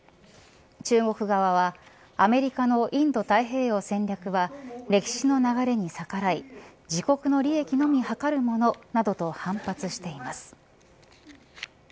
中国側はアメリカのインド太平洋戦略は歴史の流れに逆らい自国の利益のみ図るなどと反発しています。